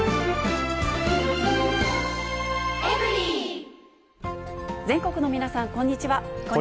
気象台は、全国の皆さん、こんにちは。